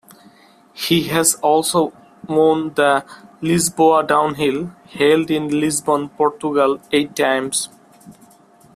He has also won the Lisboa Downhill, held in Lisbon, Portugal, eight times.